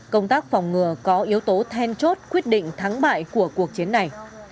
công tác phòng ngừa có yếu tố then chốt quyết định thắng bại của cuộc chiến này